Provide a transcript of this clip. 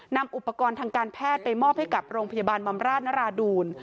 นำอุปกรณ์ทางการแพทย์ไปมอบให้กับโรงพยาบาลบำราชนราดูล